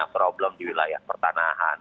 problem di wilayah pertanahan